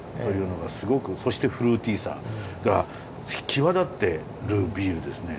そしてフルーティーさが際立ってるビールですね。